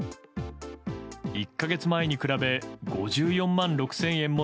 １か月前に比べ５４万６０００円も